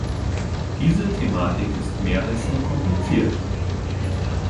Diese Thematik ist mehr als nur kompliziert.